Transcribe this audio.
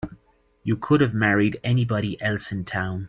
You could have married anybody else in town.